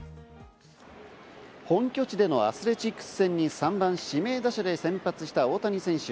本拠地でのアスレチックス戦に３番・指名打者で先発した大谷選手。